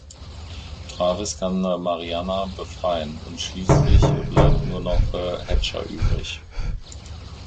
Travis kann Mariana befreien, und schließlich bleibt nur noch Hatcher übrig.